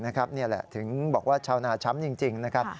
นี่แหละถึงบอกว่าชาวนาช้ำจริงนะครับ